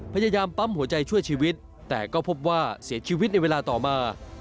พยายามปั๊มหัวใจช่วยชีวิตแต่ก็พบว่าเสียชีวิตในเวลาต่อมา